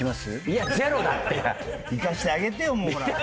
いかしてあげてよ。